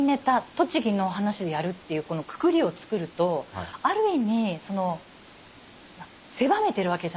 栃木の話でやるっていうこのくくりをつくるとある意味その狭めてるわけじゃないですか。